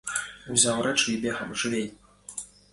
Узяў рэчы і бегам, жывей!!!